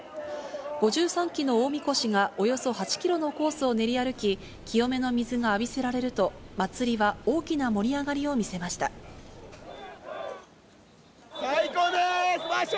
５３基の大みこしがおよそ８キロのコースを練り歩き、清めの水が浴びせられると、祭りは大きな盛最高です。